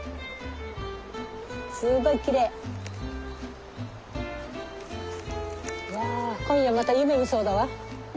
すごいきれい。わ今夜また夢見そうだわ。